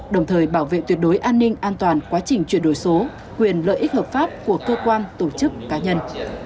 đồng thời bảo vệ tuyệt đối an ninh an toàn quá trình chuyển đổi số quyền lợi ích hợp pháp của cơ quan tổ chức cá nhân